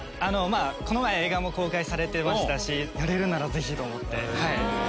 この前映画も公開されてましたしやれるならぜひ！と思って。